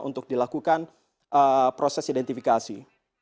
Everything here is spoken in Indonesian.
untuk dilakukan proses identifikasi